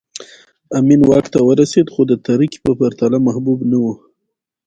امین واک ته ورسېد خو د ترکي په پرتله محبوب نه و